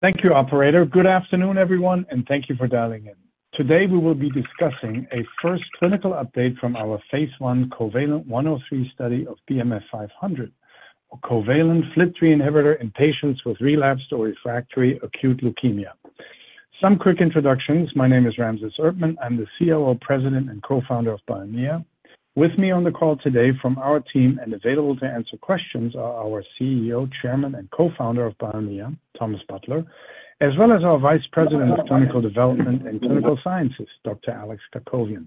Thank you, Operator. Good afternoon, everyone, and thank you for dialing in. Today we will be discussing a first clinical update from our phase I Covalent 103 study of BMF-500, a covalent FLT3 inhibitor in patients with relapsed or refractory acute leukemia. Some quick introductions: my name is Ramses Erdtmann, I'm the COO, President, and Co-founder of Biomea. With me on the call today from our team and available to answer questions are our CEO, Chairman, and Co-founder of Biomea, Thomas Butler, as well as our Vice President of Clinical Development and Clinical Sciences, Dr. Alex Cacovean,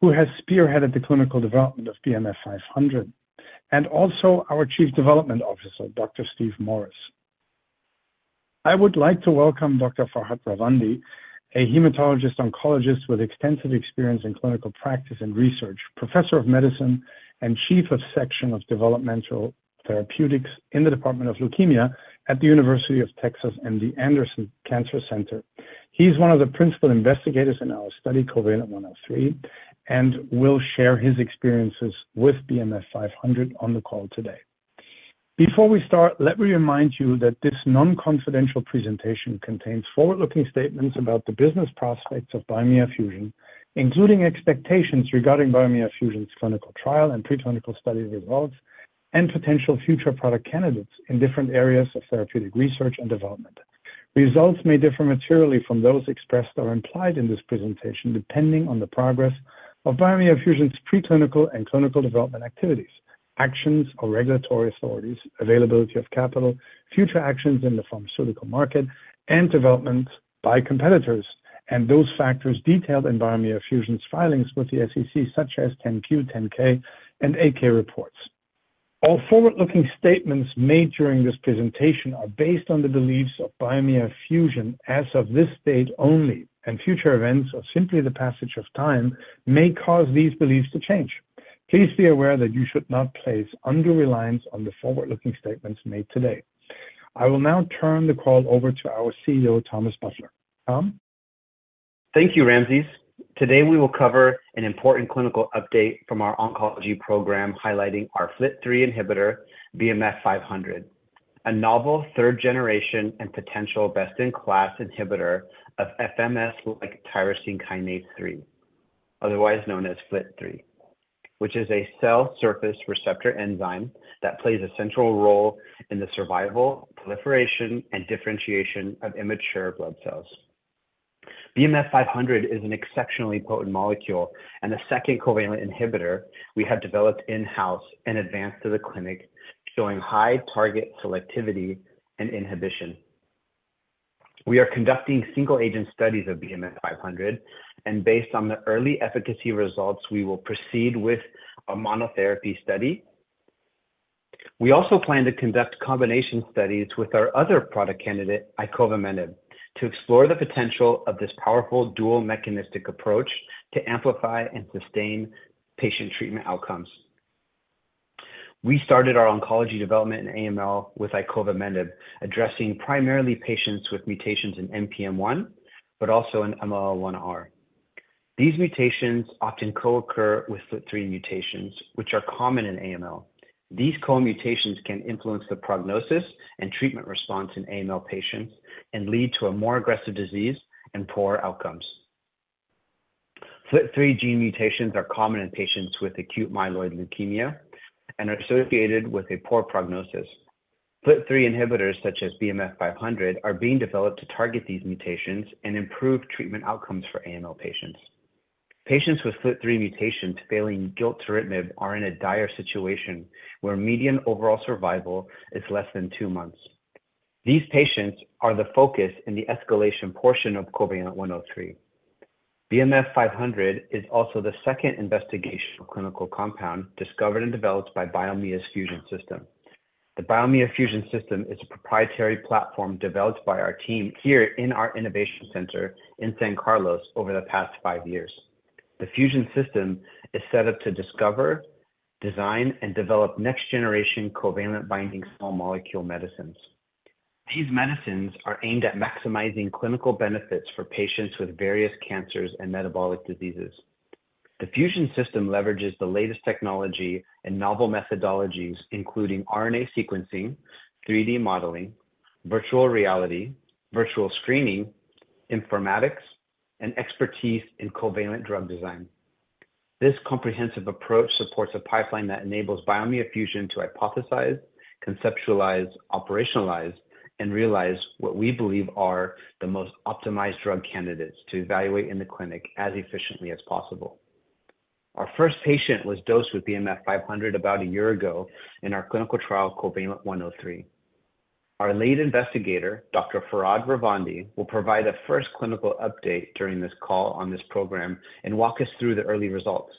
who has spearheaded the clinical development of BMF-500, and also our Chief Development Officer, Dr. Steve Morris. I would like to welcome Dr. Farhad Ravandi, a hematologist-oncologist with extensive experience in clinical practice and research, Professor of Medicine and Chief of Section of Developmental Therapeutics in the Department of Leukemia at the University of Texas MD Anderson Cancer Center. He is one of the principal investigators in our study, Covalent 103, and will share his experiences with BMF-500 on the call today. Before we start, let me remind you that this non-confidential presentation contains forward-looking statements about the business prospects of Biomea Fusion, including expectations regarding Biomea Fusion's clinical trial and preclinical study results, and potential future product candidates in different areas of therapeutic research and development. Results may differ materially from those expressed or implied in this presentation, depending on the progress of Biomea Fusion's preclinical and clinical development activities, actions of regulatory authorities, availability of capital, future actions in the pharmaceutical market, and developments by competitors, and those factors detailed in Biomea Fusion's filings with the SEC, such as 10-Q, 10-K, and 8-K reports. All forward-looking statements made during this presentation are based on the beliefs of Biomea Fusion as of this date only, and future events, or simply the passage of time, may cause these beliefs to change. Please be aware that you should not place undue reliance on the forward-looking statements made today. I will now turn the call over to our CEO, Thomas Butler. Tom? Thank you, Ramses. Today we will cover an important clinical update from our oncology program highlighting our FLT3 inhibitor, BMF-500, a novel third-generation and potential best-in-class inhibitor of FMS-like tyrosine kinase 3, otherwise known as FLT3, which is a cell-surface receptor enzyme that plays a central role in the survival, proliferation, and differentiation of immature blood cells. BMF-500 is an exceptionally potent molecule and the second covalent inhibitor we have developed in-house and advanced to the clinic, showing high target selectivity and inhibition. We are conducting single-agent studies of BMF-500, and based on the early efficacy results, we will proceed with a monotherapy study. We also plan to conduct combination studies with our other product candidate, icovamenib, to explore the potential of this powerful dual-mechanistic approach to amplify and sustain patient treatment outcomes. We started our oncology development in AML with icovamenib, addressing primarily patients with mutations in NPM1, but also in MLL1r. These mutations often co-occur with FLT3 mutations, which are common in AML. These co-mutations can influence the prognosis and treatment response in AML patients and lead to a more aggressive disease and poor outcomes. FLT3 gene mutations are common in patients with acute myeloid leukemia and are associated with a poor prognosis. FLT3 inhibitors such as BMF-500 are being developed to target these mutations and improve treatment outcomes for AML patients. Patients with FLT3 mutations failing gilteritinib are in a dire situation where median overall survival is less than two months. These patients are the focus in the escalation portion of Covalent 103. BMF-500 is also the second investigational clinical compound discovered and developed by Biomea FUSION System. The Biomea Fusion System is a proprietary platform developed by our team here in our Innovation Center in San Carlos over the past five years. The Fusion System is set up to discover, design, and develop next-generation covalent-binding small molecule medicines. These medicines are aimed at maximizing clinical benefits for patients with various cancers and metabolic diseases. The Fusion System leverages the latest technology and novel methodologies, including RNA sequencing, 3D modeling, virtual reality, virtual screening, informatics, and expertise in covalent drug design. This comprehensive approach supports a pipeline that enables Biomea Fusion to hypothesize, conceptualize, operationalize, and realize what we believe are the most optimized drug candidates to evaluate in the clinic as efficiently as possible. Our first patient was dosed with BMF-500 about a year ago in our clinical trial Covalent 103. Our lead investigator, Dr. Farhad Ravandi will provide a first clinical update during this call on this program and walk us through the early results.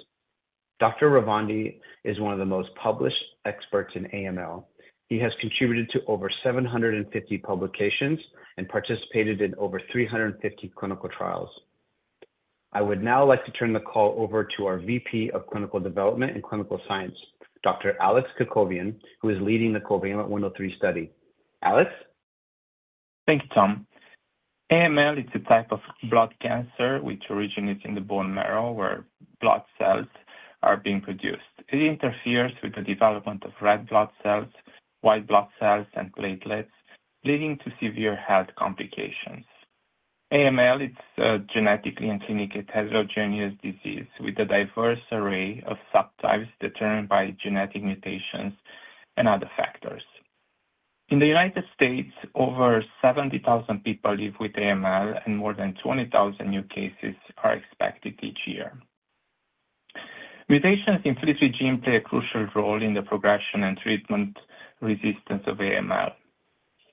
Dr. Ravandi is one of the most published experts in AML. He has contributed to over 750 publications and participated in over 350 clinical trials. I would now like to turn the call over to our VP of Clinical Development and Clinical Sciences, Dr. Alex Cacovean, who is leading the Covalent 103 study. Alex? Thank you, Tom. AML is a type of blood cancer which originates in the bone marrow where blood cells are being produced. It interferes with the development of red blood cells, white blood cells, and platelets, leading to severe health complications. AML is a genetically and clinically heterogeneous disease with a diverse array of subtypes determined by genetic mutations and other factors. In the United States, over 70,000 people live with AML, and more than 20,000 new cases are expected each year. Mutations in FLT3 gene play a crucial role in the progression and treatment resistance of AML.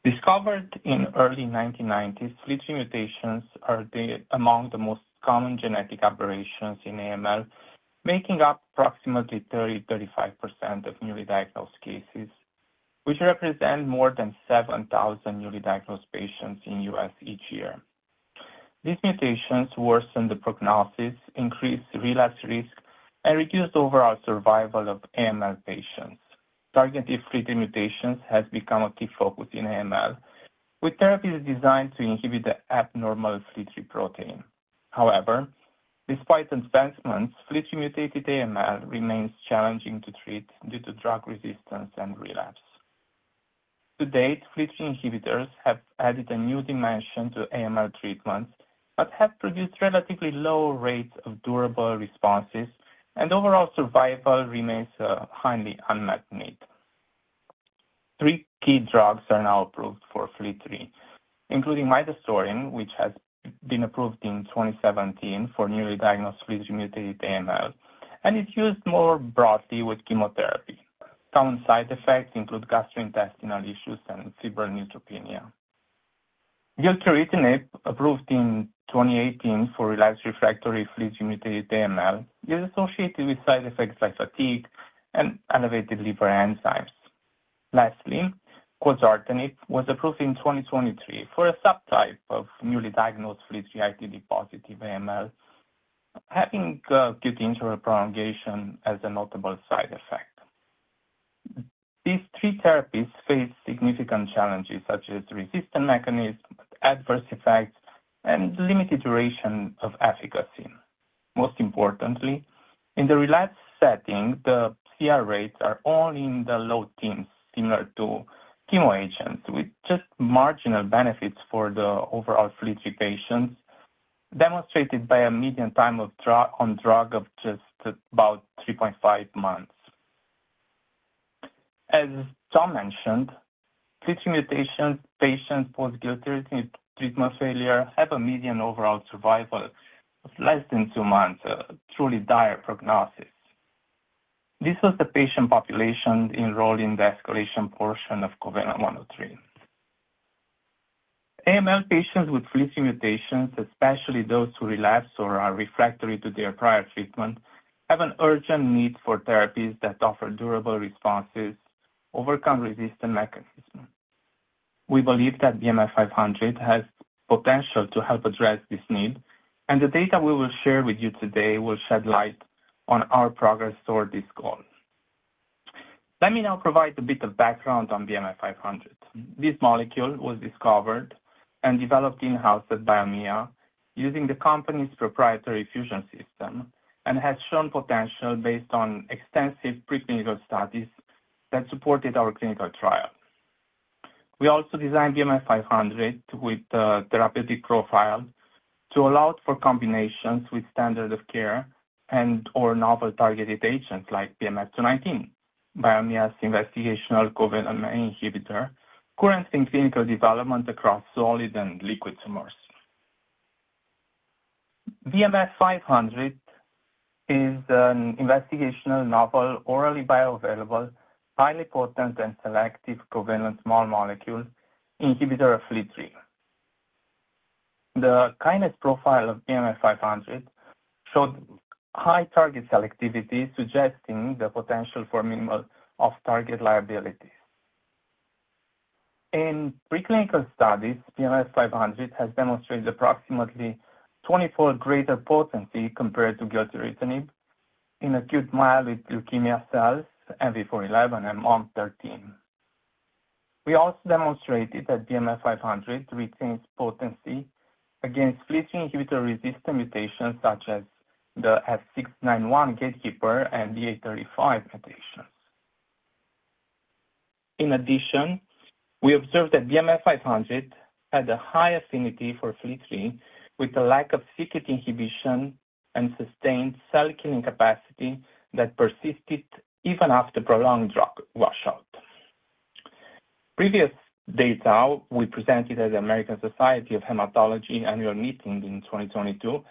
Discovered in the early 1990s, FLT3 mutations are among the most common genetic aberrations in AML, making up approximately 30-35% of newly diagnosed cases, which represent more than 7,000 newly diagnosed patients in the U.S. each year. These mutations worsen the prognosis, increase relapse risk, and reduce the overall survival of AML patients. Targeted FLT3 mutations have become a key focus in AML, with therapies designed to inhibit the abnormal FLT3 protein. However, despite advancements, FLT3-mutated AML remains challenging to treat due to drug resistance and relapse. To date, FLT3 inhibitors have added a new dimension to AML treatment but have produced relatively low rates of durable responses, and overall survival remains a highly unmet need. Three key drugs are now approved for FLT3, including midostaurin, which has been approved in 2017 for newly diagnosed FLT3-mutated AML, and is used more broadly with chemotherapy. Common side effects include gastrointestinal issues and febrile neutropenia. gilteritinib, approved in 2018 for relapsed/refractory FLT3-mutated AML, is associated with side effects like fatigue and elevated liver enzymes. Lastly, quizartinib was approved in 2023 for a subtype of newly diagnosed FLT3-positive AML, having QT prolongation as a notable side effect. These three therapies face significant challenges, such as resistance mechanism, adverse effects, and limited duration of efficacy. Most importantly, in the relapse setting, the CR rates are only in the low teens, similar to chemo agents, with just marginal benefits for the overall FLT3 patients, demonstrated by a median time on drug of just about 3.5 months. As Tom mentioned, FLT3 mutation patients post-gilteritinib treatment failure have a median overall survival of less than two months, a truly dire prognosis. This was the patient population enrolled in the escalation portion of Covalent 103. AML patients with FLT3 mutations, especially those who relapse or are refractory to their prior treatment, have an urgent need for therapies that offer durable responses and overcome resistance mechanisms. We believe that BMF-500 has potential to help address this need, and the data we will share with you today will shed light on our progress toward this goal. Let me now provide a bit of background on BMF-500. This molecule was discovered and developed in-house at Biomea using the company's proprietary Fusion System, and has shown potential based on extensive preclinical studies that supported our clinical trial. We also designed BMF-500 with a therapeutic profile to allow for combinations with standard of care and/or novel targeted agents like BMF-219, Biomea's investigational covalent menin inhibitor, currently in clinical development across solid and liquid tumors. BMF-500 is an investigational, novel, orally bioavailable, highly potent, and selective covalent small molecule inhibitor of FLT3. The kinase profile of BMF-500 showed high target selectivity, suggesting the potential for minimal off-target liability. In preclinical studies, BMF-500 has demonstrated approximately 24-fold greater potency compared to gilteritinib in acute myeloid leukemia cells, MV4-11, and MOLM-13. We also demonstrated that BMF-500 retains potency against FLT3-inhibitor-resistant mutations such as the F691 gatekeeper and D835 mutations. In addition, we observed that BMF-500 had a high affinity for FLT3, with a lack of c-KIT inhibition and sustained cell-killing capacity that persisted even after prolonged drug washout. Previous data we presented at the American Society of Hematology annual meeting in 2022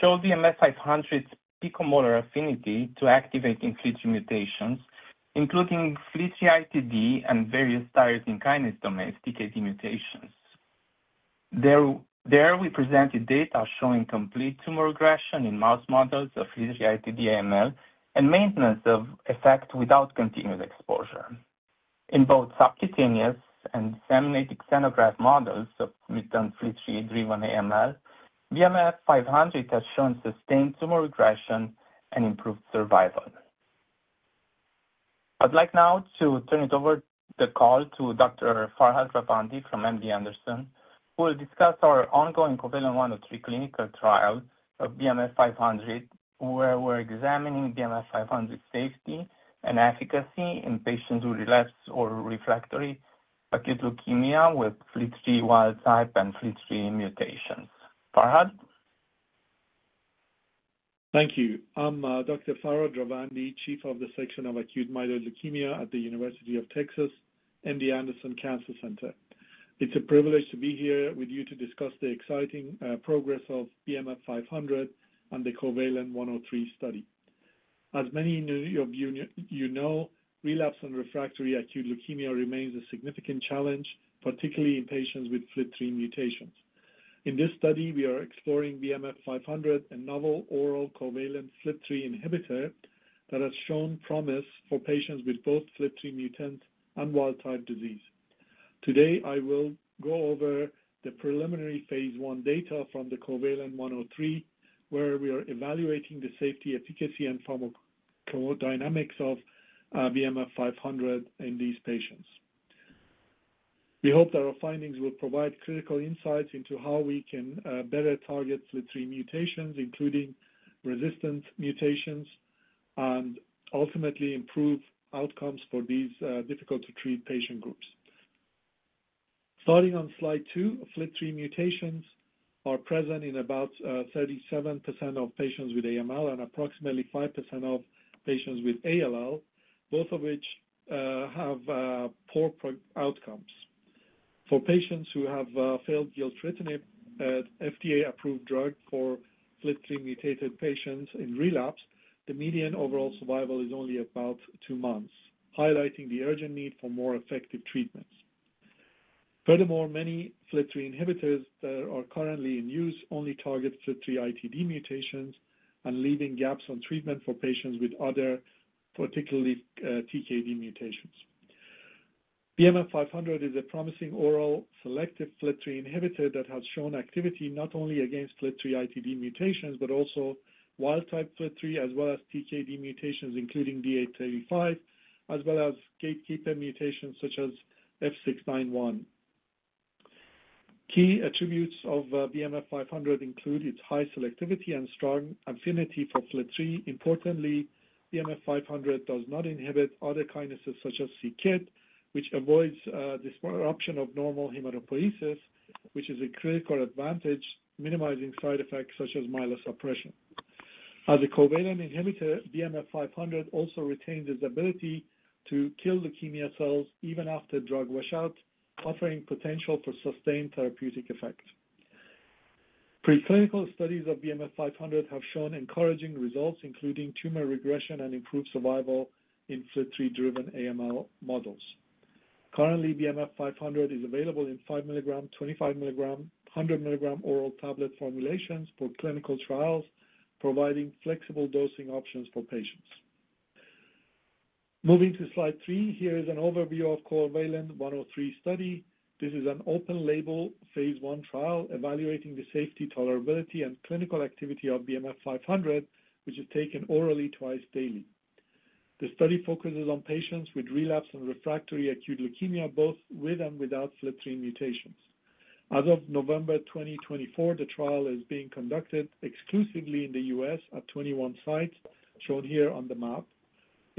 showed BMF-500's picomolar affinity against FLT3 mutations, including FLT3-ITD and various tyrosine kinase domain TKD mutations. There we presented data showing complete tumor regression in mouse models of FLT3-ITD AML and maintenance of effect without continued exposure. In both subcutaneous and disseminated xenograft models of mutant FLT3-driven AML, BMF-500 has shown sustained tumor regression and improved survival. I'd like now to turn the call over to Dr. Farhad Ravandi from MD Anderson, who will discuss our ongoing Covalent 103 clinical trial of BMF-500, where we're examining BMF-500 safety and efficacy in patients with relapsed or refractory acute leukemia with FLT3 wild-type and FLT3 mutations. Farhad? Thank you. I'm Dr. Farhad Ravandi, Chief of the Section of Acute Myeloid Leukemia at the University of Texas MD Anderson Cancer Center. It's a privilege to be here with you to discuss the exciting progress of BMF-500 and the Covalent 103 study. As many of you know, relapse and refractory acute leukemia remains a significant challenge, particularly in patients with FLT3 mutations. In this study, we are exploring BMF-500, a novel oral covalent FLT3 inhibitor that has shown promise for patients with both FLT3 mutants and wild-type disease. Today, I will go over the preliminary phase 1 data from the Covalent 103, where we are evaluating the safety, efficacy, and pharmacodynamics of BMF-500 in these patients. We hope that our findings will provide critical insights into how we can better target FLT3 mutations, including resistance mutations, and ultimately improve outcomes for these difficult-to-treat patient groups. Starting on slide two, FLT3 mutations are present in about 37% of patients with AML and approximately 5% of patients with ALL, both of which have poor outcomes. For patients who have failed gilteritinib, an FDA-approved drug for FLT3-mutated patients in relapse, the median overall survival is only about two months, highlighting the urgent need for more effective treatments. Furthermore, many FLT3 inhibitors that are currently in use only target FLT3-ITD mutations and leave gaps on treatment for patients with other, particularly TKD mutations. BMF-500 is a promising oral selective FLT3 inhibitor that has shown activity not only against FLT3-ITD mutations but also wild-type FLT3, as well as TKD mutations, including D835, as well as gatekeeper mutations such as F691. Key attributes of BMF-500 include its high selectivity and strong affinity for FLT3. Importantly, BMF-500 does not inhibit other kinases such as c-KIT, which avoids disruption of normal hematopoiesis, which is a critical advantage, minimizing side effects such as myelosuppression. As a covalent inhibitor, BMF-500 also retains its ability to kill leukemia cells even after drug washout, offering potential for sustained therapeutic effect. Preclinical studies of BMF-500 have shown encouraging results, including tumor regression and improved survival in FLT3-driven AML models. Currently, BMF-500 is available in 5 mg, 25 mg, and 100 mg oral tablet formulations for clinical trials, providing flexible dosing options for patients. Moving to slide three, here is an overview of Covalent 103 study. This is an open-label phase one trial evaluating the safety, tolerability, and clinical activity of BMF-500, which is taken orally twice daily. The study focuses on patients with relapsed and refractory acute leukemia, both with and without FLT3 mutations. As of November 2024, the trial is being conducted exclusively in the U.S. at 21 sites, shown here on the map.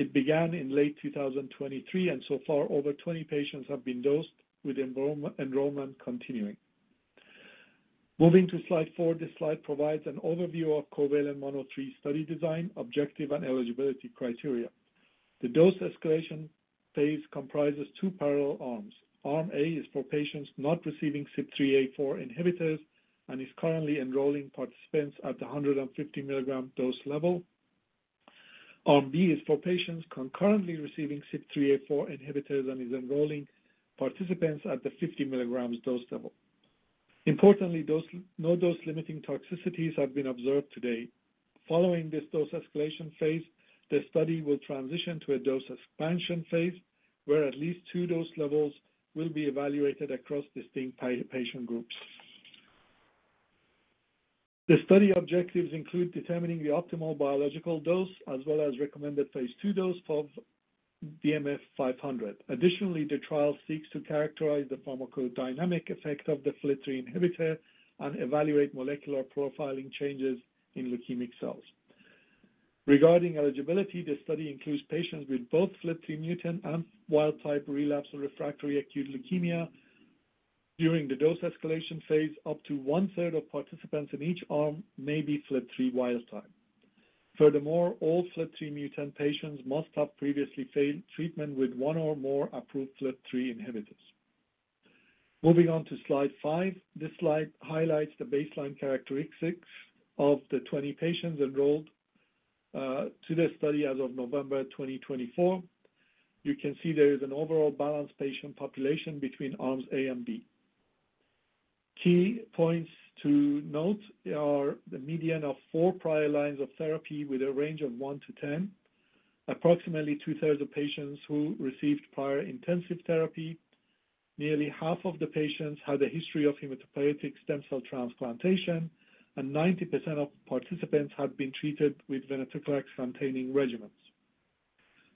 It began in late 2023, and so far, over 20 patients have been dosed, with enrollment continuing. Moving to slide four, this slide provides an overview of Covalent 103 study design, objective, and eligibility criteria. The dose escalation phase comprises two parallel arms. Arm A is for patients not receiving CYP3A4 inhibitors and is currently enrolling participants at the 150 mg dose level. Arm B is for patients concurrently receiving CYP3A4 inhibitors and is enrolling participants at the 50 mg dose level. Importantly, no dose-limiting toxicities have been observed today. Following this dose escalation phase, the study will transition to a dose expansion phase, where at least two dose levels will be evaluated across distinct patient groups. The study objectives include determining the optimal biological dose as well as recommended phase 2 dose of BMF-500. Additionally, the trial seeks to characterize the pharmacodynamic effect of the FLT3 inhibitor and evaluate molecular profiling changes in leukemic cells. Regarding eligibility, the study includes patients with both FLT3 mutant and wild-type relapse or refractory acute leukemia. During the dose escalation phase, up to one-third of participants in each arm may be FLT3 wild-type. Furthermore, all FLT3 mutant patients must have previously failed treatment with one or more approved FLT3 inhibitors. Moving on to slide five, this slide highlights the baseline characteristics of the 20 patients enrolled to the study as of November 2024. You can see there is an overall balanced patient population between arms A and B. Key points to note are the median of four prior lines of therapy with a range of 1 to 10, approximately two-thirds of patients who received prior intensive therapy, nearly half of the patients had a history of hematopoietic stem cell transplantation, and 90% of participants had been treated with venetoclax-containing regimens.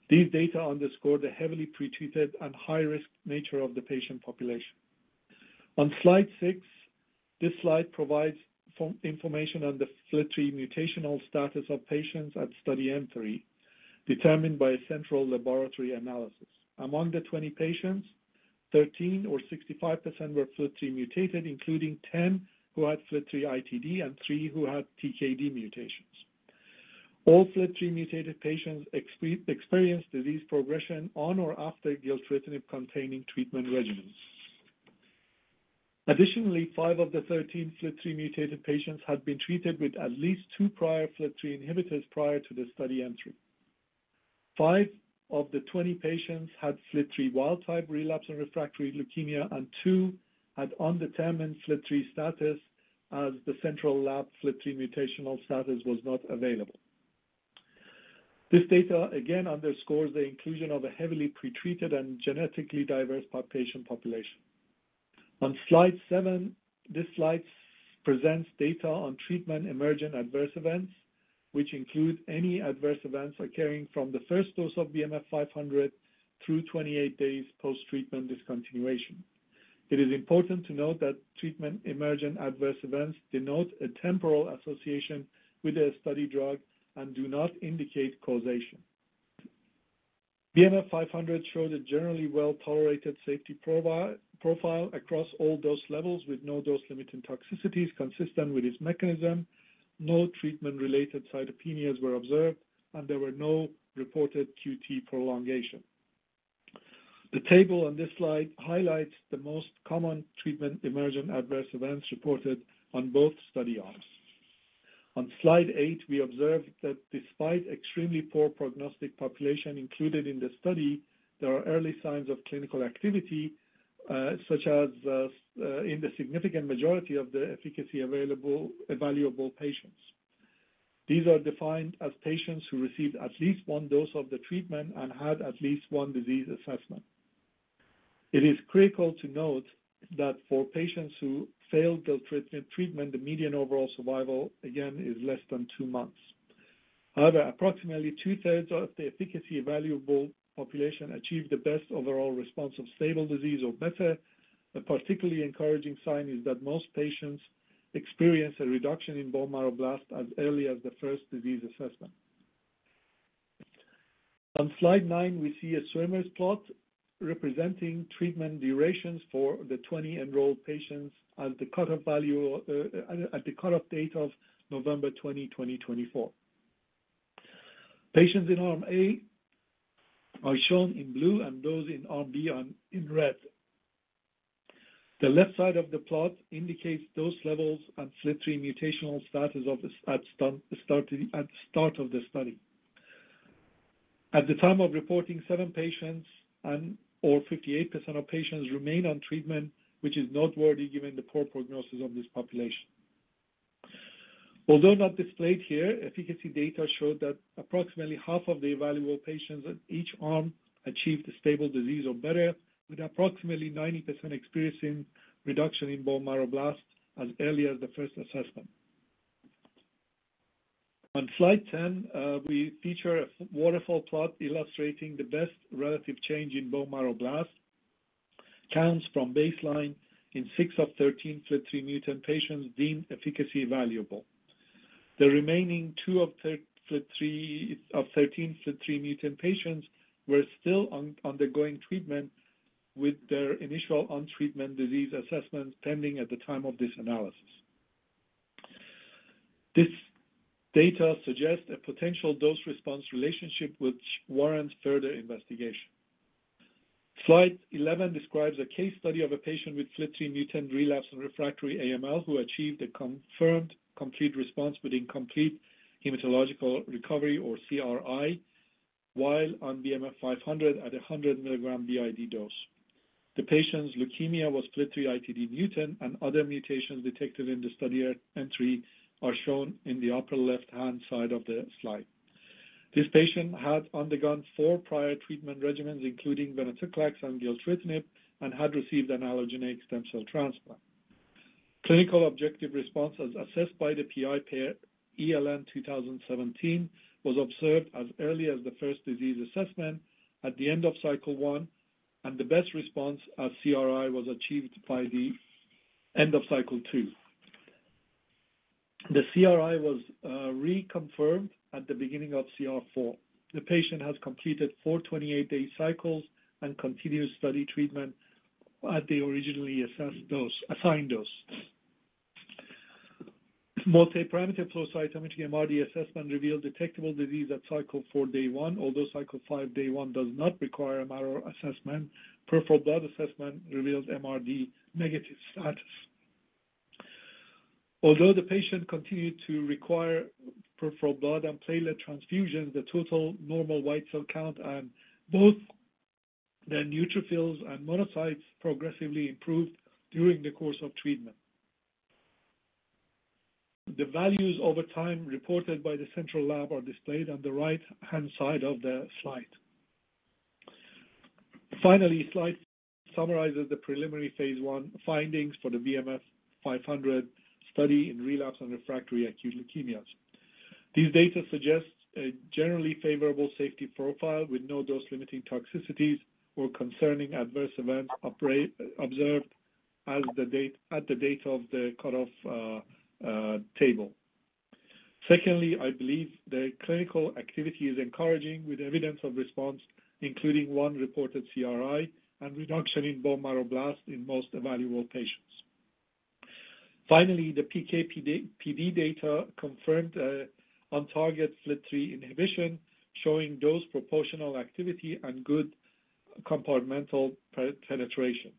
These data underscore the heavily pretreated and high-risk nature of the patient population. On slide six, this slide provides information on the FLT3 mutational status of patients at study entry, determined by a central laboratory analysis. Among the 20 patients, 13 or 65% were FLT3-mutated, including 10 who had FLT3-ITD and three who had TKD mutations. All FLT3-mutated patients experienced disease progression on or after gilteritinib-containing treatment regimens. Additionally, five of the 13 FLT3-mutated patients had been treated with at least two prior FLT3 inhibitors prior to the study entry. Five of the 20 patients had FLT3 wild-type relapsed and refractory leukemia, and two had undetermined FLT3 status as the central lab FLT3 mutational status was not available. This data again underscores the inclusion of a heavily pretreated and genetically diverse patient population. On slide seven, this slide presents data on treatment emergent adverse events, which include any adverse events occurring from the first dose of BMF-500 through 28 days post-treatment discontinuation. It is important to note that treatment emergent adverse events denote a temporal association with the study drug and do not indicate causation. BMF-500 showed a generally well-tolerated safety profile across all dose levels with no dose-limiting toxicities consistent with its mechanism. No treatment-related cytopenias were observed, and there were no reported QT prolongation. The table on this slide highlights the most common treatment emergent adverse events reported on both study arms. On slide eight, we observed that despite extremely poor prognostic population included in the study, there are early signs of clinical activity, such as in the significant majority of the efficacy available patients. These are defined as patients who received at least one dose of the treatment and had at least one disease assessment. It is critical to note that for patients who failed gilteritinib treatment, the median overall survival again is less than two months. However, approximately two-thirds of the efficacy-available population achieved the best overall response of stable disease or better. A particularly encouraging sign is that most patients experience a reduction in bone marrow blast as early as the first disease assessment. On slide nine, we see a Swimmer plot representing treatment durations for the 20 enrolled patients at the cut-off date of November 20, 2024. Patients in arm A are shown in blue and those in arm B in red. The left side of the plot indicates dose levels and FLT3 mutational status at the start of the study. At the time of reporting, seven patients and/or 58% of patients remain on treatment, which is noteworthy given the poor prognosis of this population. Although not displayed here, efficacy data showed that approximately half of the evaluable patients in each arm achieved a stable disease or better, with approximately 90% experiencing reduction in bone marrow blasts as early as the first assessment. On slide 10, we feature a waterfall plot illustrating the best relative change in bone marrow blast counts from baseline in six of 13 FLT3 mutant patients deemed efficacy-evaluable. The remaining two of 13 FLT3 mutant patients were still undergoing treatment with their initial on-treatment disease assessments pending at the time of this analysis. This data suggests a potential dose-response relationship, which warrants further investigation. Slide 11 describes a case study of a patient with FLT3 mutant relapsed and refractory AML who achieved a confirmed complete response with incomplete hematologic recovery, or CRi, while on BMF-500 at 100 mg b.i.d. dose. The patient's leukemia was FLT3-ITD mutant, and other mutations detected in the study entry are shown in the upper left-hand side of the slide. This patient had undergone four prior treatment regimens, including venetoclax and gilteritinib, and had received an allogeneic stem cell transplant. Clinical objective response as assessed by the PI per ELN-2017 was observed as early as the first disease assessment at the end of cycle one, and the best response as CRi was achieved by the end of cycle two. The CRi was reconfirmed at the beginning of cycle 4. The patient has completed four 28-day cycles and continues study treatment at the originally assigned dose. Multiparameter flow cytometry MRD assessment revealed detectable disease at cycle four day one. Although cycle five day one does not require MRD assessment, peripheral blood assessment revealed MRD negative status. Although the patient continued to require peripheral blood and platelet transfusions, the total normal white cell count and both the neutrophils and monocytes progressively improved during the course of treatment. The values over time reported by the central lab are displayed on the right-hand side of the slide. Finally, slide summarizes the preliminary phase one findings for the BMF-500 study in relapsed and refractory acute leukemias. These data suggest a generally favorable safety profile with no dose-limiting toxicities or concerning adverse events observed at the date of the cut-off table. Secondly, I believe the clinical activity is encouraging with evidence of response, including one reported CRi and reduction in bone marrow blast in most evaluable patients. Finally, the PKPD data confirmed on-target FLT3 inhibition, showing dose-proportional activity and good compartmental penetration.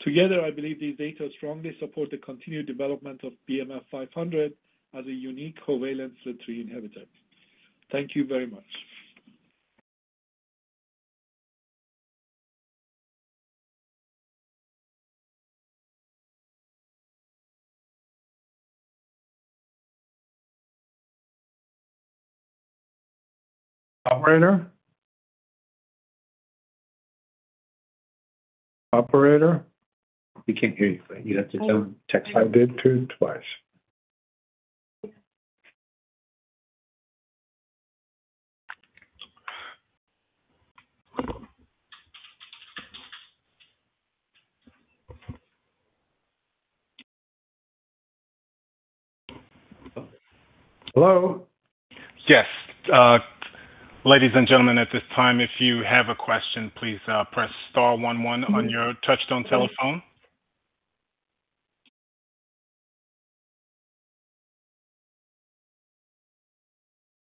Together, I believe these data strongly support the continued development of BMF-500 as a unique covalent FLT3 inhibitor. Thank you very much. Operator. Operator. We can't hear you, but you have to tell him to text me. I did turn twice. Hello? Yes. Ladies and gentlemen, at this time, if you have a question, please press star 11 on your touch-tone telephone.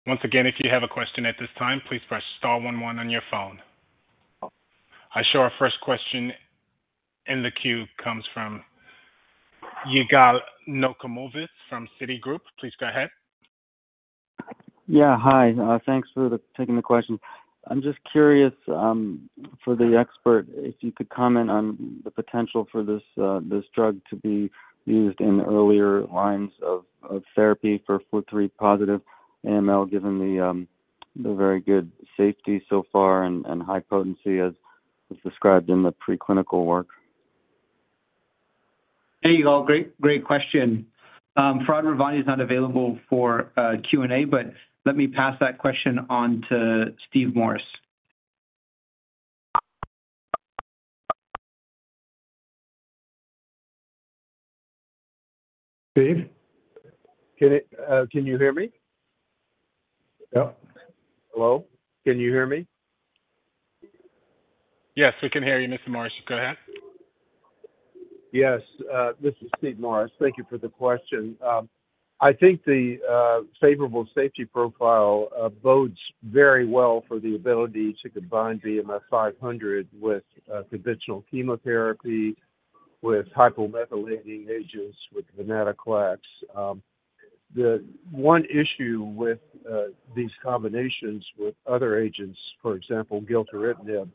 Once again, if you have a question at this time, please press star 11 on your phone. I'm sure our first question in the queue comes from Yigal Nochomovitz from Citigroup. Please go ahead. Yeah, hi. Thanks for taking the question. I'm just curious for the expert if you could comment on the potential for this drug to be used in earlier lines of therapy for FLT3 positive AML, given the very good safety so far and high potency as described in the preclinical work. Hey, Yigal. Great question. Farhad Ravandi is not available for Q&A, but let me pass that question on to Steve Morris. Steve? Can you hear me? Yep. Hello? Can you hear me? Yes, we can hear you, Mr. Morris. Go ahead. Yes. This is Steve Morris. Thank you for the question. I think the favorable safety profile bodes very well for the ability to combine BMF-500 with conventional chemotherapy, with hypomethylating agents, with venetoclax. The one issue with these combinations with other agents, for example, gilteritinib,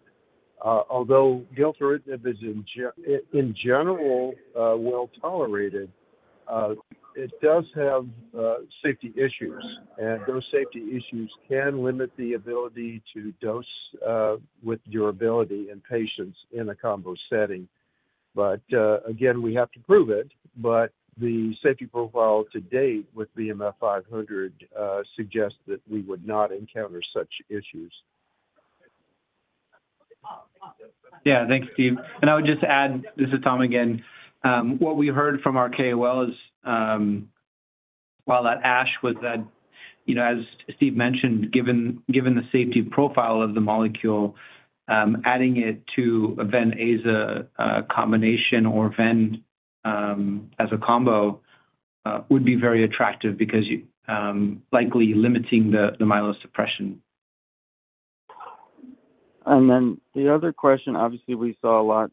although gilteritinib is in general well tolerated, it does have safety issues. And those safety issues can limit the ability to dose with durability in patients in a combo setting. But again, we have to prove it. But the safety profile to date with BMF-500 suggests that we would not encounter such issues. Yeah, thanks, Steve. And I would just add, this is Tom again. What we heard from our KOLs while at ASH was that, as Steve mentioned, given the safety profile of the molecule, adding it to a Ven-Aza combination or Ven as a combo would be very attractive because likely limiting the myelosuppression. And then the other question, obviously. We saw a lot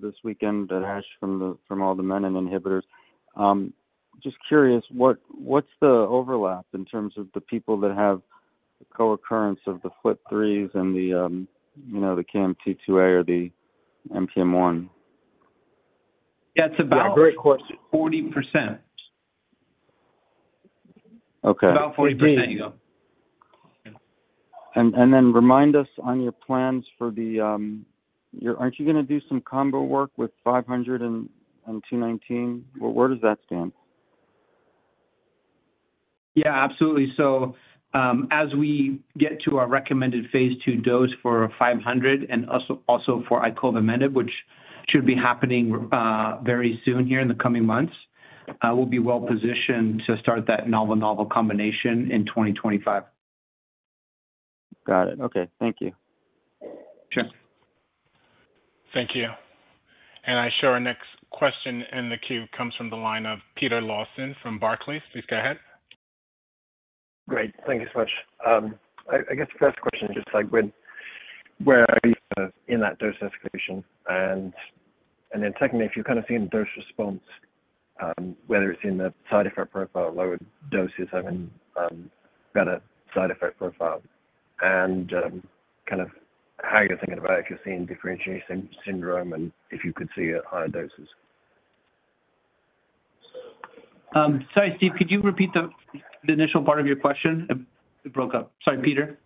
this weekend at ASH from all the menin inhibitors. Just curious, what's the overlap in terms of the people that have co-occurrence of the FLT3s and the KMT2A or the NPM1? Yeah, it's a great question. 40%. About 40%, Yigal. And then remind us on your plans for the, aren't you going to do some combo work with 500 and 219? Where does that stand? Yeah, absolutely. So as we get to our recommended phase two dose for 500 and also for icovamenib, which should be happening very soon here in the coming months, we'll be well positioned to start that novel-novel combination in 2025. Got it. Okay. Thank you. Sure. Thank you. And I'm sure our next question in the queue comes from the line of Peter Lawson from Barclays. Please go ahead. Great. Thank you so much. I guess the first question is just like, where are you in that dose escalation? And then secondly, if you've kind of seen the dose response, whether it's in the side effect profile, lower doses, I mean, better side effect profile, and kind of how you're thinking about it, if you've seen differentiation syndrome and if you could see it at higher doses. Sorry, Steve, could you repeat the initial part of your question? It broke up. Sorry, Peter.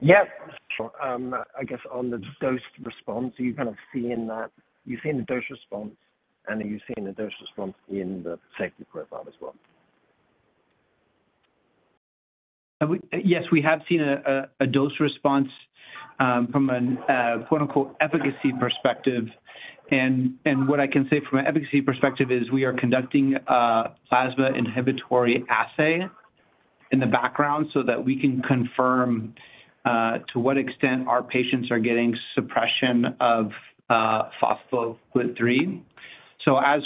Yep. Sure. I guess on the dose response, you've kind of seen that—you've seen the dose response, and you've seen the dose response in the safety profile as well. Yes, we have seen a dose response from a "efficacy perspective." And what I can say from an efficacy perspective is we are conducting a plasma inhibitory assay in the background so that we can confirm to what extent our patients are getting suppression of FLT3. So, as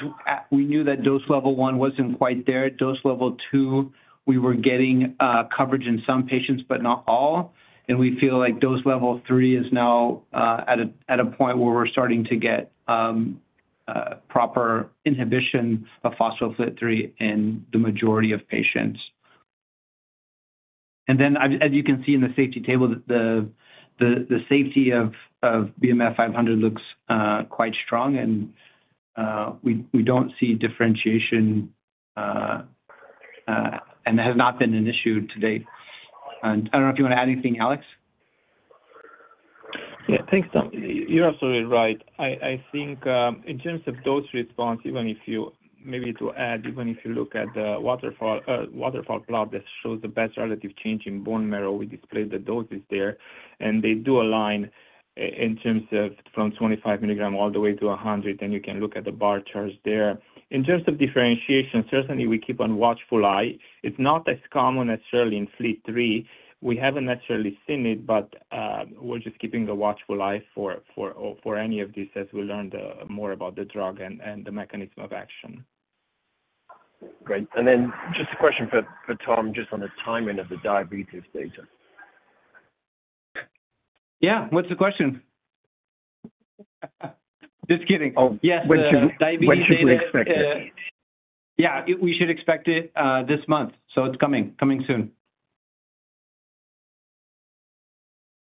we knew that dose level one wasn't quite there, dose level two, we were getting coverage in some patients, but not all, and we feel like dose level three is now at a point where we're starting to get proper inhibition of FLT3 in the majority of patients. And then, as you can see in the safety table, the safety of BMF-500 looks quite strong, and we don't see differentiation syndrome, and there has not been an issue to date. I don't know if you want to add anything, Alex. Yeah, thanks, Tom. You're absolutely right. I think in terms of dose response, even if you, maybe to add, even if you look at the waterfall plot that shows the best relative change in bone marrow, we displayed the doses there. And they do align in terms of from 25 milligram all the way to 100, and you can look at the bar charts there. In terms of differentiation, certainly we keep a watchful eye. It's not as common necessarily in FLT3. We haven't necessarily seen it, but we're just keeping a watchful eye for any of these as we learn more about the drug and the mechanism of action. Great. And then just a question for Tom, just on the timing of the diabetes data. Yeah, what's the question? Just kidding. Oh, yes. Diabetes data. When should we expect it? Yeah, we should expect it this month. So it's coming. Coming soon.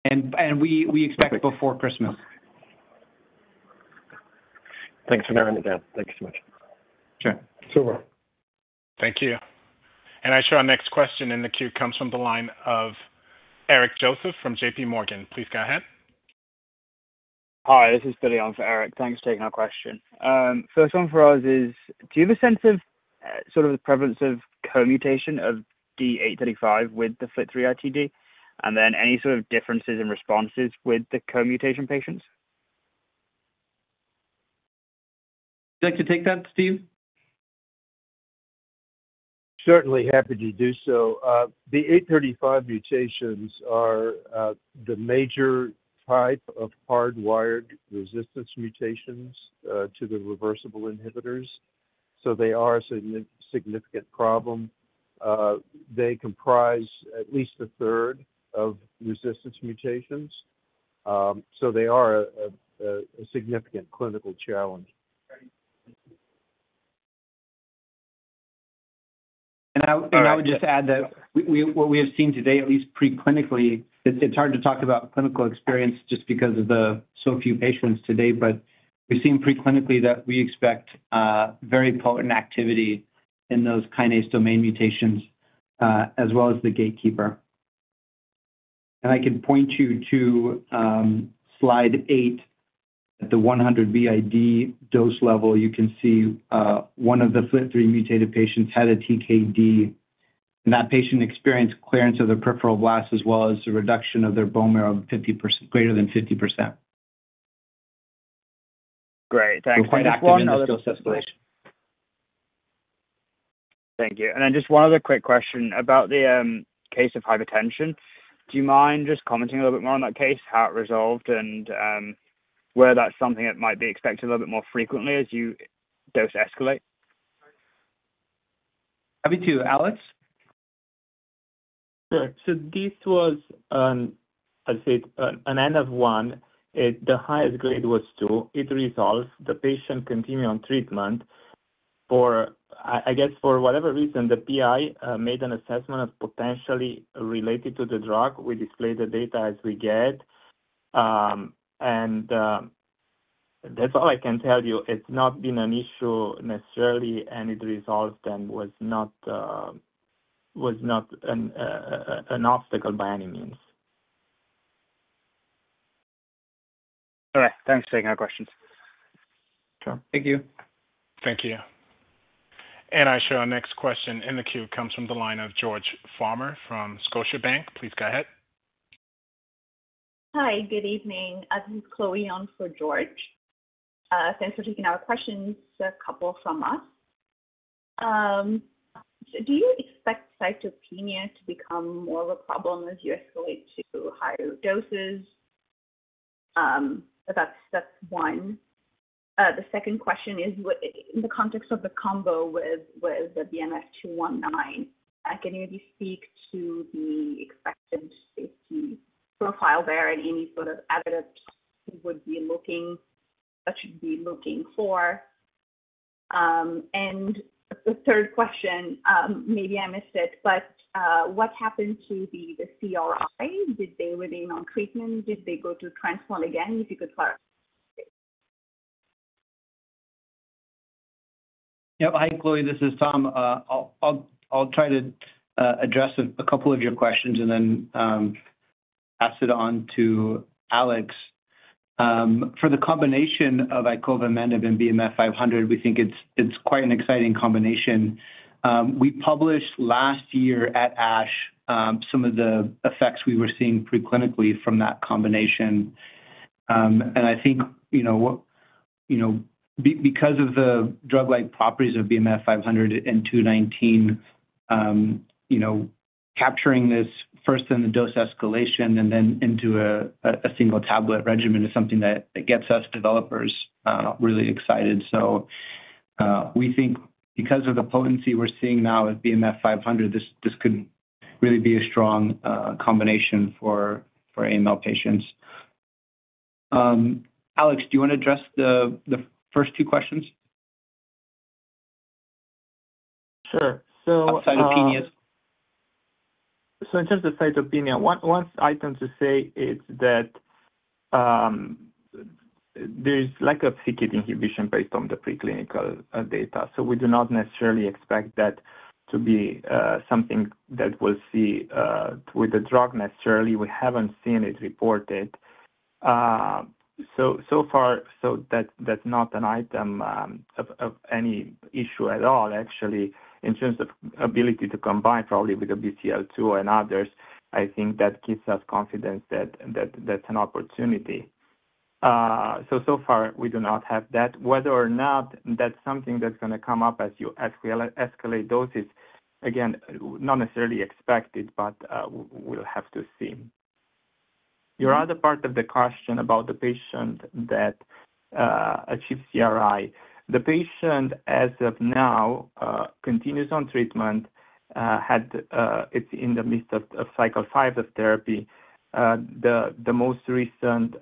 And we expect before Christmas. Thanks for narrowing it down. Thank you so much. Sure. Silas. Thank you. And I'm sure our next question in the queue comes from the line of Eric Joseph from J.P. Morgan. Please go ahead. Hi, this is Billy on for Eric. Thanks for taking our question. First one for us is, do you have a sense of sort of the prevalence of co-mutation of D835 with the FLT3 ITD? And then any sort of differences in responses with the co-mutation patients? Would you like to take that, Steve? Certainly happy to do so. The 835 mutations are the major type of hardwired resistance mutations to the reversible inhibitors. So they are a significant problem. They comprise at least a third of resistance mutations. So they are a significant clinical challenge. And I would just add that what we have seen today, at least preclinically, it's hard to talk about clinical experience just because of the so few patients today, but we've seen preclinically that we expect very potent activity in those kinase domain mutations as well as the gatekeeper. And I can point you to slide eight at the 100 BID dose level. You can see one of the FLT3 mutated patients had a TKD, and that patient experienced clearance of the peripheral blast as well as the reduction of their bone marrow greater than 50%. Great. Thanks for that. And one other dose escalation. Thank you. And then just one other quick question about the case of hypertension. Do you mind just commenting a little bit more on that case, how it resolved, and whether that's something that might be expected a little bit more frequently as you dose escalate? Happy to, Alex. Sure. So this was, as I said, an N of 1. The highest grade was 2. It resolved. The patient continued on treatment. I guess for whatever reason, the PI made an assessment of potentially related to the drug. We displayed the data as we get. And that's all I can tell you. It's not been an issue necessarily, and it resolved and was not an obstacle by any means. All right. Thanks for taking our questions. Sure. Thank you. Thank you. And I'm sure our next question in the queue comes from the line of George Farmer from Scotiabank. Please go ahead. Hi, good evening. This is Chloe on for George. Thanks for taking our questions, a couple from us. Do you expect cytopenia to become more of a problem as you escalate to higher doses? That's one. The second question is, in the context of the combo with the BMF-219, can you speak to the expected safety profile there and any sort of evidence that should be looking for? And the third question, maybe I missed it, but what happened to the CRi? Did they remain on treatment? Did they go to transplant again? If you could clarify. Yep. Hi, Chloe. This is Tom. I'll try to address a couple of your questions and then pass it on to Alex. For the combination of icovamenib and BMF-500, we think it's quite an exciting combination. We published last year at ASH some of the effects we were seeing preclinically from that combination. And I think because of the drug-like properties of BMF-500 and 219, capturing this first in the dose escalation and then into a single tablet regimen is something that gets us developers really excited. So we think because of the potency we're seeing now with BMF-500, this could really be a strong combination for AML patients. Alex, do you want to address the first two questions? Sure. So about cytopenias. So in terms of cytopenia, one item to say is that there's lack of c-KIT inhibition based on the preclinical data. So we do not necessarily expect that to be something that we'll see with the drug necessarily. We haven't seen it reported. So far, so that's not an item of any issue at all, actually. In terms of ability to combine probably with a BCL-2 and others, I think that gives us confidence that that's an opportunity. So so far, we do not have that. Whether or not that's something that's going to come up as we escalate doses, again, not necessarily expected, but we'll have to see. Your other part of the question about the patient that achieves CRi, the patient as of now continues on treatment. It's in the midst of cycle five of therapy. The most recent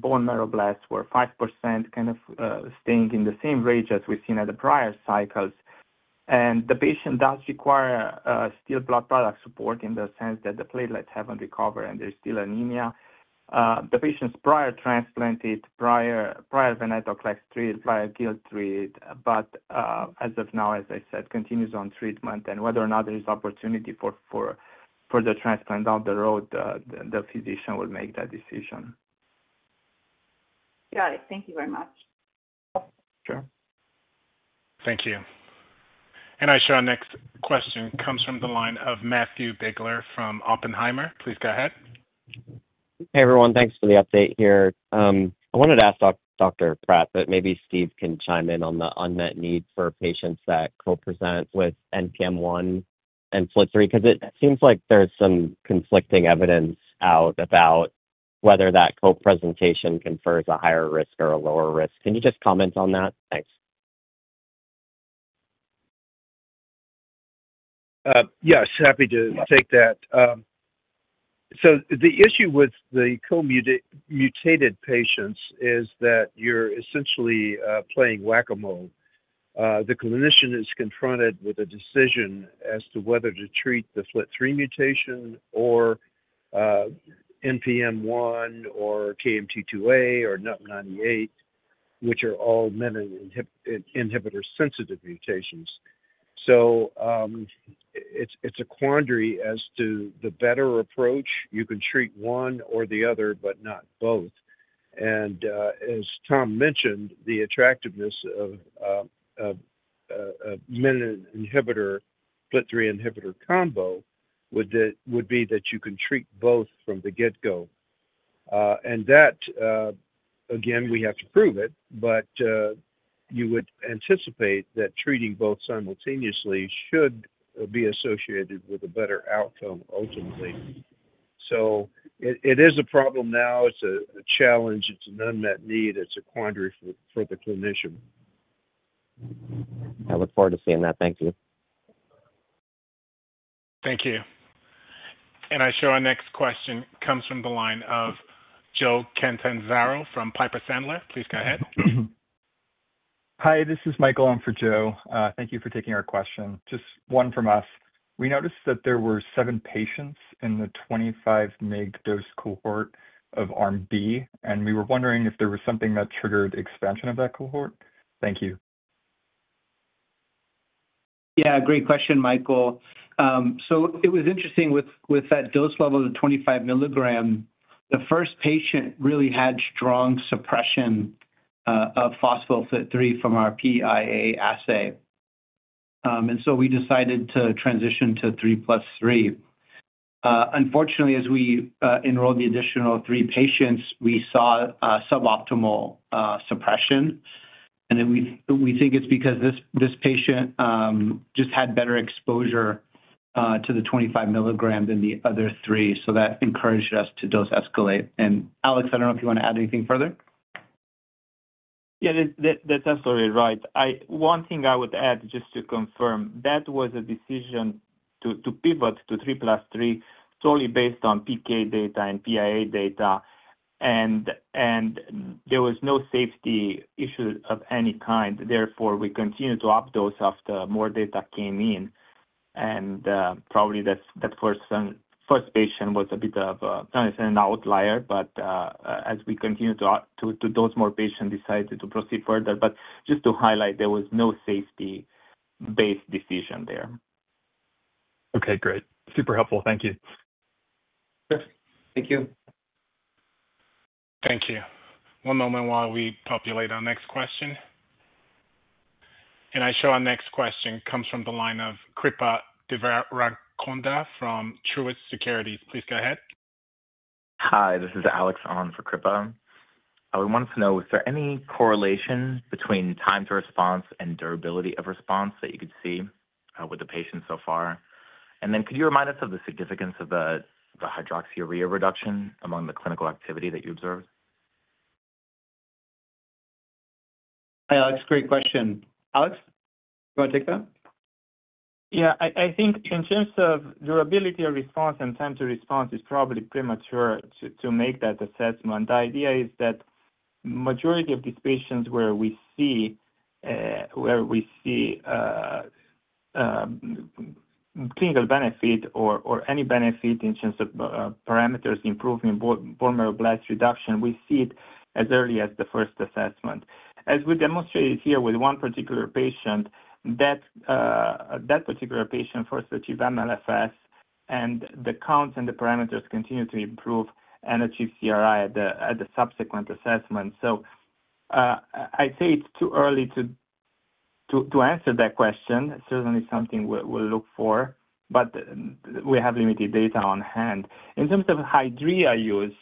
bone marrow blasts were 5%, kind of staying in the same range as we've seen at the prior cycles. And the patient does require still blood product support in the sense that the platelets haven't recovered and there's still anemia. The patient's prior transplanted, prior venetoclax, prior gilteritinib, but as of now, as I said, continues on treatment. And whether or not there is opportunity for further transplant down the road, the physician will make that decision. Got it. Thank you very much. Sure. Thank you. And I'm sure our next question comes from the line of Matthew Biegler from Oppenheimer. Please go ahead. Hey, everyone. Thanks for the update here. I wanted to ask Dr. Farhad, but maybe Steve can chime in on the unmet need for patients that co-present with NPM1 and FLT3 because it seems like there's some conflicting evidence out about whether that co-presentation confers a higher risk or a lower risk. Can you just comment on that? Thanks. Yes, happy to take that. So the issue with the co-mutated patients is that you're essentially playing whack-a-mole. The clinician is confronted with a decision as to whether to treat the FLT3 mutation or NPM1 or KMT2A or NUP98, which are all menin inhibitor-sensitive mutations. So it's a quandary as to the better approach. You can treat one or the other, but not both. And as Tom mentioned, the attractiveness of a menin inhibitor-FLT3 inhibitor combo would be that you can treat both from the get-go. And that, again, we have to prove it, but you would anticipate that treating both simultaneously should be associated with a better outcome ultimately. So it is a problem now. It's a challenge. It's an unmet need. It's a quandary for the clinician. I look forward to seeing that. Thank you. Thank you. And I'm sure our next question comes from the line of Joe Catanzaro from Piper Sandler. Please go ahead. Hi, this is Michael on for Joe. Thank you for taking our question. Just one from us. We noticed that there were seven patients in the 25-mg dose cohort of Arm B, and we were wondering if there was something that triggered expansion of that cohort. Thank you. Yeah, great question, Michael. So it was interesting with that dose level of 25 milligram, the first patient really had strong suppression of FLT3 from our PIA assay. And so we decided to transition to 3 plus 3. Unfortunately, as we enrolled the additional three patients, we saw suboptimal suppression. And we think it's because this patient just had better exposure to the 25 milligram than the other three. So that encouraged us to dose escalate. And Alex, I don't know if you want to add anything further. Yeah, that's absolutely right. One thing I would add just to confirm, that was a decision to pivot to 3 plus 3 solely based on PK data and PIA data. And there was no safety issue of any kind. Therefore, we continued to updose after more data came in. And probably that first patient was a bit of, not necessarily an outlier, but as we continued to dose more patients, decided to proceed further. But just to highlight, there was no safety-based decision there. Okay, great. Super helpful. Thank you. Sure. Thank you. Thank you. One moment while we populate our next question. And I'm sure our next question comes from the line of Kripa Devarakonda from Truist Securities. Please go ahead. Hi, this is Alex on for Kripa. I wanted to know, was there any correlation between time to response and durability of response that you could see with the patients so far? And then could you remind us of the significance of the hydroxyurea reduction among the clinical activity that you observed? Hi, Alex. Great question. Alex, do you want to take that? Yeah. I think in terms of durability of response and time to response, it's probably premature to make that assessment. The idea is that the majority of these patients where we see clinical benefit or any benefit in terms of parameters improving bone marrow blast reduction, we see it as early as the first assessment. As we demonstrated here with one particular patient, that particular patient first achieved MLFS, and the counts and the parameters continue to improve and achieve CRi at the subsequent assessment. So I'd say it's too early to answer that question. Certainly something we'll look for, but we have limited data on hand. In terms of Hydrea use,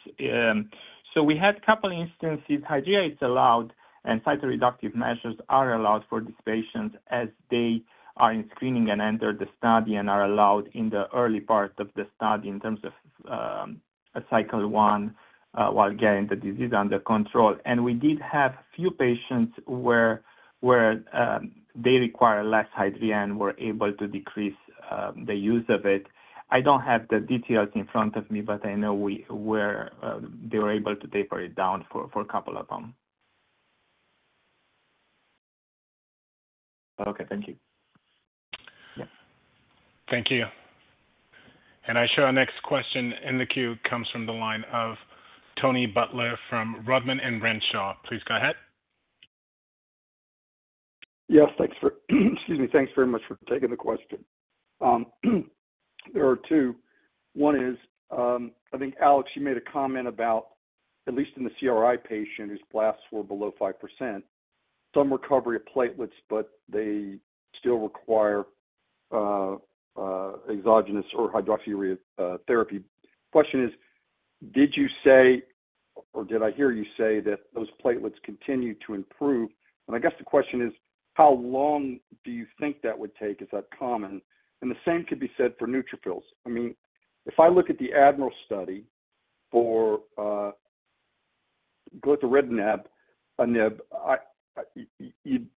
so we had a couple of instances. Hydrea is allowed, and cytoreductive measures are allowed for these patients as they are in screening and enter the study and are allowed in the early part of the study in terms of cycle one while getting the disease under control, and we did have a few patients where they require less Hydrea and were able to decrease the use of it. I don't have the details in front of me, but I know they were able to taper it down for a couple of them. Okay, thank you. Yeah. Thank you. And I'm sure our next question in the queue comes from the line of Tony Butler from Rodman & Renshaw. Please go ahead. Yes, thanks for—excuse me. Thanks very much for taking the question. There are two. One is, I think Alex, you made a comment about, at least in the CRi patient whose blasts were below 5%, some recovery of platelets, but they still require exogenous or hydroxyurea therapy. The question is, did you say, or did I hear you say that those platelets continue to improve? And I guess the question is, how long do you think that would take? Is that common? And the same could be said for neutrophils. I mean, if I look at the ADMIRAL study for gilteritinib,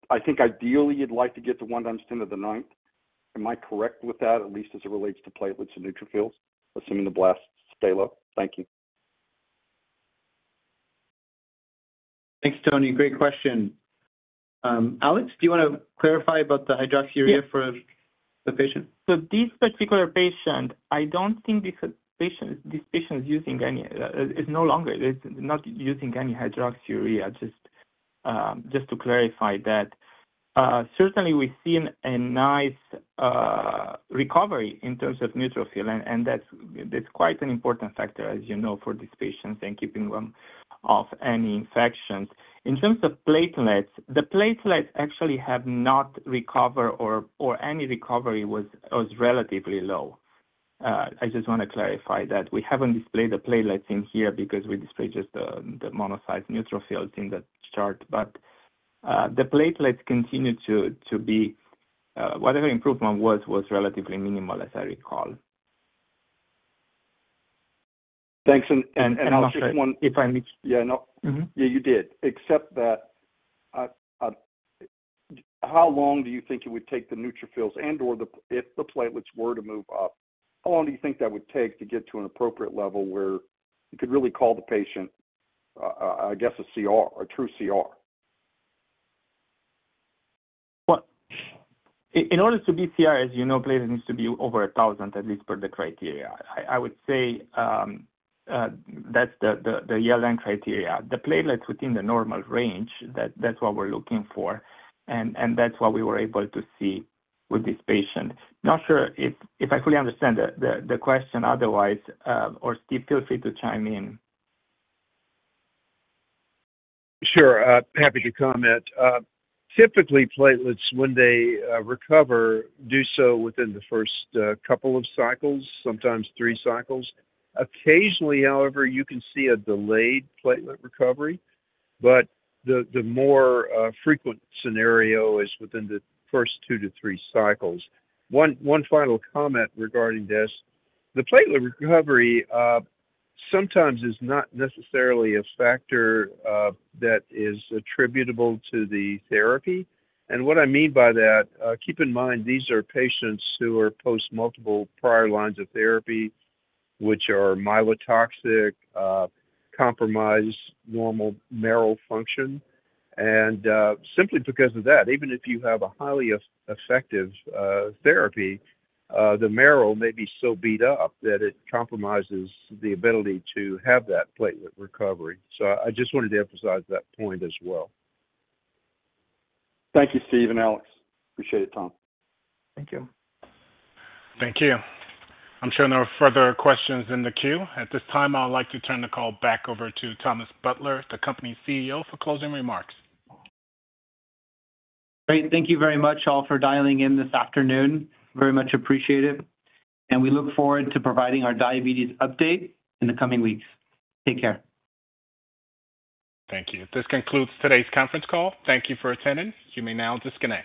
I think ideally you'd like to get the 1 times 10 to the 9th. Am I correct with that, at least as it relates to platelets and neutrophils, assuming the blasts stay low? Thank you. Thanks, Tony. Great question. Alex, do you want to clarify about the hydroxyurea for the patient? So this particular patient, I don't think this patient is using any hydroxyurea, just to clarify that. Certainly, we've seen a nice recovery in terms of neutrophils, and that's quite an important factor, as you know, for these patients and keeping them off any infections. In terms of platelets, the platelets actually have not recovered, or any recovery was relatively low. I just want to clarify that. We haven't displayed the platelets in here because we displayed just the monocyte neutrophils in the chart, but the platelets continue to be whatever improvement was relatively minimal, as I recall. Thanks. And Alex, yeah, no. Yeah, you did. Except that, how long do you think it would take the neutrophils and/or the—if the platelets were to move up, how long do you think that would take to get to an appropriate level where you could really call the patient, I guess, a CR, a true CR? In order to be CR, as you know, platelets need to be over 1,000, at least per the criteria. I would say that's the ELN criteria. The platelets within the normal range, that's what we're looking for, and that's what we were able to see with this patient. Not sure if I fully understand the question otherwise, or Steve, feel free to chime in. Sure. Happy to comment. Typically, platelets, when they recover, do so within the first couple of cycles, sometimes three cycles. Occasionally, however, you can see a delayed platelet recovery, but the more frequent scenario is within the first two to three cycles. One final comment regarding this. The platelet recovery sometimes is not necessarily a factor that is attributable to the therapy. And what I mean by that, keep in mind these are patients who are post multiple prior lines of therapy, which are myelotoxic, compromised normal marrow function. And simply because of that, even if you have a highly effective therapy, the marrow may be so beat up that it compromises the ability to have that platelet recovery. So I just wanted to emphasize that point as well. Thank you, Steve and Alex. Appreciate it, Tom. Thank you. Thank you. I'm sure there are further questions in the queue. At this time, I'd like to turn the call back over to Thomas Butler, the company CEO, for closing remarks. Great. Thank you very much, all, for dialing in this afternoon. Very much appreciated. And we look forward to providing our diabetes update in the coming weeks. Take care. Thank you. This concludes today's conference call. Thank you for attending. You may now disconnect.